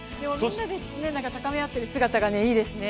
でもみんなで高め合っている姿がいいですね。